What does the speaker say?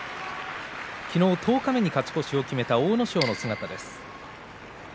昨日、十日目に勝ち越しを決めた阿武咲です。